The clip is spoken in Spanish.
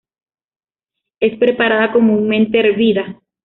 Es preparada comúnmente hervida.